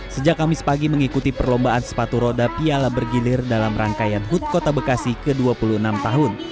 sejak kamis pagi mengikuti perlombaan sepatu roda piala bergilir dalam rangkaian hut kota bekasi ke dua puluh enam tahun